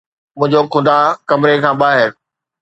منهنجو خدا ڪمري کان ٻاهر